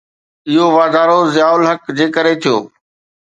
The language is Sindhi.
اهو واڌارو ضياءُ الحق جي ڪري ٿيو؟